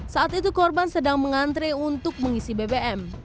saat itu korban sedang mengantre untuk mengisi bbm